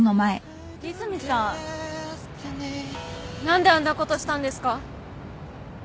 何であんなことしたんですか？